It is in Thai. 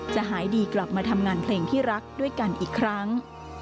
หายดีกลับมาทำงานเพลงที่รักด้วยกันอีกครั้ง